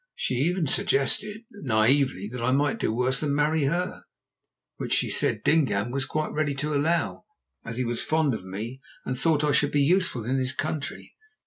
She even suggested naïvely that I might do worse than marry her, which she said Dingaan was quite ready to allow, as he was fond of me and thought I should be useful in his country.